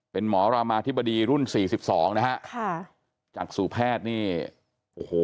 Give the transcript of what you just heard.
เป็นหมอรามาธิบดีรุ่นสี่สิบสองนะฮะค่ะจากสู่แพทย์นี่โอ้โห